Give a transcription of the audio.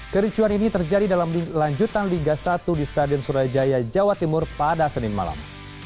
kericuan ini terjadi dalam lanjutan liga satu di stadion surajaya jawa timur pada senin malam